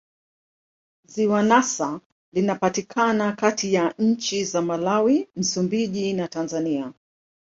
Ziwa Nyasa linapatikana kati ya nchi za Malawi, Msumbiji na Tanzania.